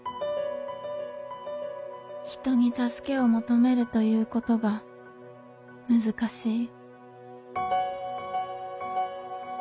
「人に助けを求めるという事が難しい」。